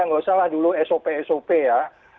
nggak usah lah dulu sop sop ya